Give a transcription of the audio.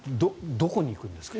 どこに行くんですか？